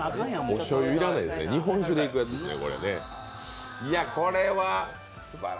おしょうゆ要らないですね、日本酒でいくやつですね。